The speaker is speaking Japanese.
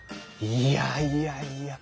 いやいやいや。